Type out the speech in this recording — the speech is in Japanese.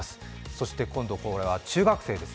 そして今度、これは中学生です。